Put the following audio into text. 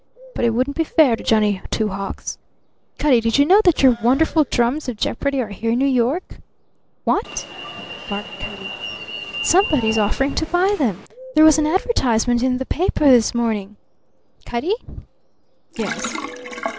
But it wouldn't be fair to Johnny Two Hawks. Cutty, did you know that your wonderful drums of jeopardy are here in New York?" "What?" barked Cutty. "Somebody is offering to buy them. There was an advertisement in the paper this morning. Cutty?" "Yes."